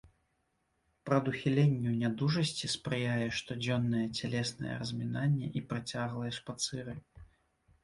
Прадухіленню нядужасці спрыяе штодзённае цялеснае размінанне і працяглыя шпацыры.